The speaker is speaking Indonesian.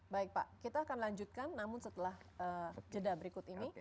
baik pak kita akan lanjutkan namun setelah jeda berikut ini